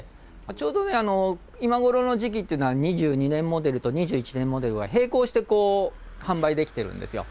ちょうど、今ごろの時期っていうのは、２２年モデルと２１年モデルが、並行して販売できてるんですよ。